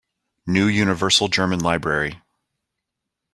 New Universal German Library.